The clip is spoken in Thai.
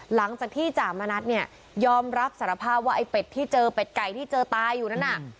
หลังจากที่จ่ามณัฐเนี่ยยอมรับสารภาพว่าไอ้เป็ดที่เจอเป็ดไก่ที่เจอตายอยู่นั้นน่ะ